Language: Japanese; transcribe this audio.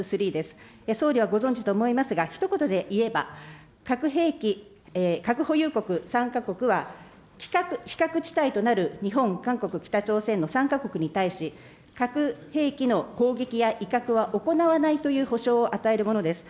総理はご存じと思いますが、ひと言で言えば、核兵器、核保有国３か国は、非核地帯となる日本、韓国、北朝鮮の３か国に対し、核兵器の攻撃や威嚇は行わないという保証を与えるものです。